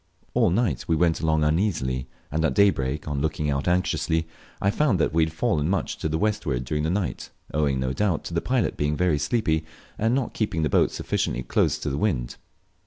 All night we went along uneasily, and at daybreak, on looking out anxiously, I found that we had fallen much to the westward during the night, owing, no doubt, to the pilot being sleepy and not keeping the boat sufficiently close to the wind.